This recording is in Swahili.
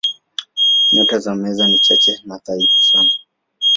Nyota za Meza ni chache na dhaifu sana.